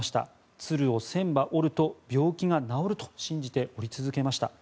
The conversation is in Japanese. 鶴を１０００羽折ると病気が治ると信じて折り続けました。